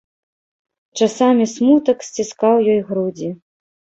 Часамі смутак сціскаў ёй грудзі.